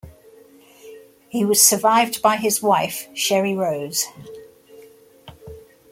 He was survived by his wife Sheree Rose.